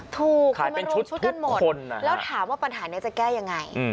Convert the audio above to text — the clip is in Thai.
ถูกขายเป็นชุดทุกคนแล้วถามว่าปัญหานี้จะแก้ยังไง